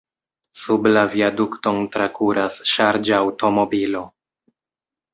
Sub la viadukton trakuras ŝarĝaŭtomobilo.